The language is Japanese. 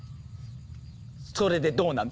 それでどうなの？